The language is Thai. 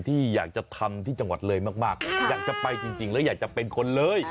ที่อยากจะทำที่จังหวัดเลยมากอยากจะไปจริงแล้วอยากจะเป็นคนเลย